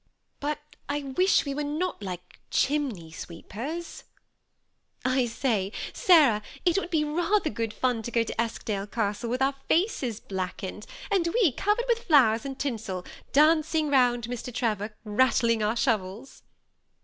" But I wish we were not like chimney sweepers^" " I say, Sarah, it would be rather good fun to go to Eskdale Castle with our faces blackened, and we, cov ered with flowers and tinsel, dancing round Mr. Trevor, rattling our shovels."